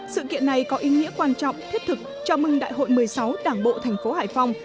sự kiện này có ý nghĩa quan trọng thiết thực chào mừng đại hội một mươi sáu đảng bộ thành phố hải phòng